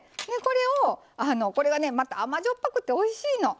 これがねまた甘じょっぱくておいしいの！